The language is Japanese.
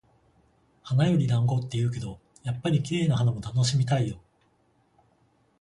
「花より団子」って言うけど、やっぱり綺麗な花も楽しみたいよ。